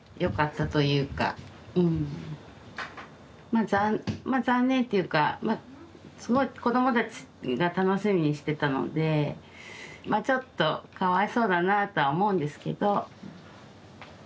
まあまあ残念っていうかまあすごい子どもたちが楽しみにしてたのでまあちょっとかわいそうだなあとは思うんですけど。